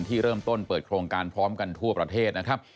ที่เริ่มต้นเปิดโครงการพร้อมกันทั่วประเทศนะครับ